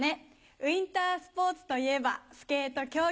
ウインタースポーツといえばスケート競技。